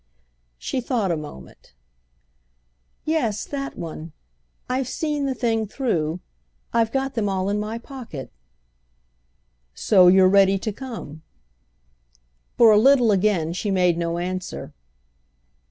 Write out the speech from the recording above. She thought a moment. "Yes, that one. I've seen the thing through—I've got them all in my pocket." "So you're ready to come?" For a little again she made no answer.